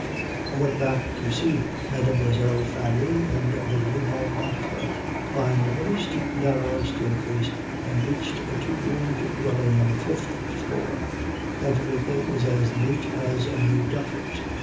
"'I went back to see Mlle. Fanny in the Rue Montmartre, climbed a very steep, narrow staircase, and reached a two roomed dwelling on the fifth floor. Everything was as neat as a new ducat.